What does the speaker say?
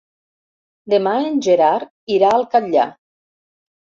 Demà en Gerard irà al Catllar.